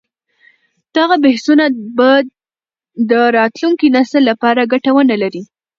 دغه بحثونه به د راتلونکي نسل لپاره ګټه ونه لري.